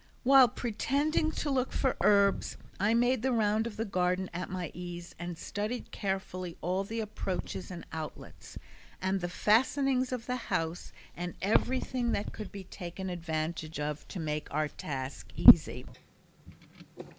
While pretending to look for herbs I made the round of the garden at my ease, and studied carefully all the approaches and outlets, and the fastenings of the house and everything that could be taken advantage of to make our task easy.